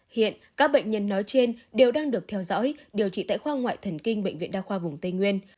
hiện các bệnh nhân nói trên đều đang được theo dõi điều trị tại khoa ngoại thần kinh bệnh viện đa khoa vùng tây nguyên